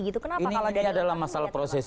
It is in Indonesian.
gitu kenapa ini adalah masalah proses